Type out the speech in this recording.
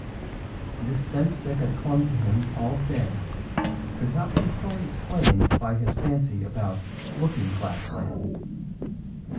This sense that had clung to him all day could not be fully explained by his fancy about "looking glass land."